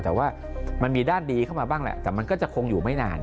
แต่ว่ามันมีด้านดีเข้ามาบ้างแหละแต่มันก็จะคงอยู่ไม่นาน